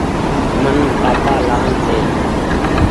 مين پآپآ لآن ۮي۔